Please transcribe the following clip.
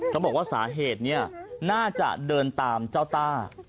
เขาบอกว่าสาเหตุนี้น่าจะเดินตามเจ้าต้า